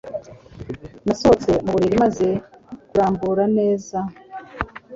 Nasohotse mu buriri maze kurambura neza.